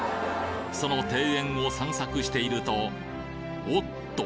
その庭園を散策しているとおっと！